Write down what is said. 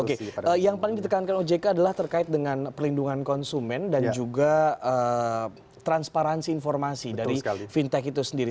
oke yang paling ditekankan ojk adalah terkait dengan perlindungan konsumen dan juga transparansi informasi dari fintech itu sendiri